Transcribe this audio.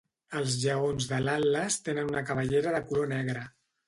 Els lleons de l'Atles tenen una cabellera de color negre.